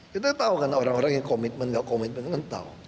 kita tahu kan orang orang yang komitmen gak komitmen kan tahu